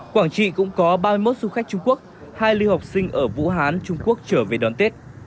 quảng trị cũng có ba mươi một du khách trung quốc hai lưu học sinh ở vũ hán trung quốc trở về đón tết